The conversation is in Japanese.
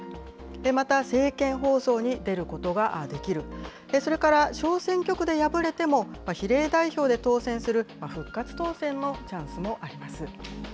また、政見放送に出ることができる、それから小選挙区で敗れても、比例代表で当選する、復活当選のチャンスもあります。